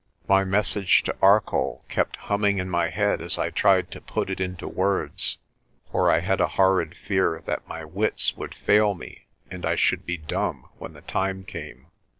My message to Arcoll kept humming in my head as I tried to put it into words, for I had a horrid fear that my wits would fail me and I should be dumb when the time came.